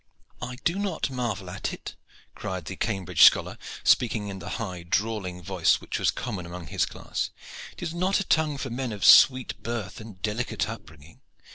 "I do not marvel at it," cried the Cambrig scholar, speaking in the high drawling voice which was common among his class. "It is not a tongue for men of sweet birth and delicate upbringing.